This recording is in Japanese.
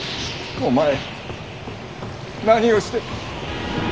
・お前何をして。